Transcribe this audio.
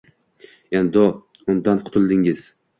Endi undan qutuldingiz